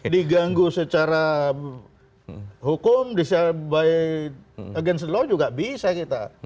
diganggu secara hukum bisa by against law juga bisa kita